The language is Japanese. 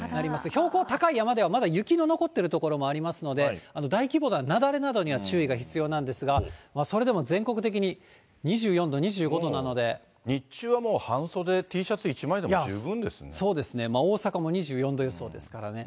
標高高い山では、まだ雪の残っている所もありますので、大規模な雪崩などには注意が必要なんですが、それでも全国的に２４度、２日中はもう、半袖、いや、そうですね、大阪も２４度予想ですからね。